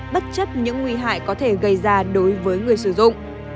bất chấp những nguy hại có thể gây ra đối với người sử dụng